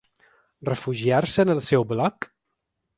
Refugiar-se en el seu bloc?